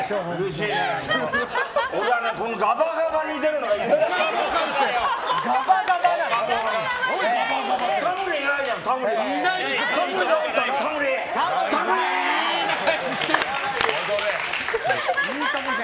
ガバガバに出るのがいいね。